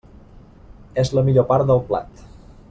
És la millor part del plat.